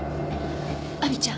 亜美ちゃん